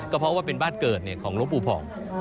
ก็เพราะว่าเป็นบ้านเกิดของลงผู้พองสมาเลิก